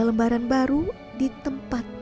lembaran baru di tempat